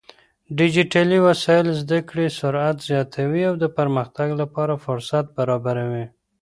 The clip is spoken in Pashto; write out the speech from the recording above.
ډيجيټلي وسايل زده کړې سرعت زياتوي او د پرمختګ لپاره فرصت برابروي.